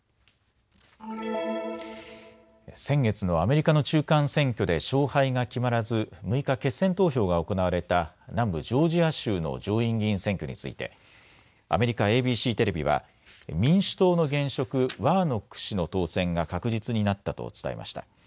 先月のアメリカの中間選挙で勝敗が決まらず６日、決選投票が行われた南部ジョージア州の上院議員選挙についてアメリカＡＢＣテレビは民主党の現職、ワーノック氏の当選が確実になったと伝えました。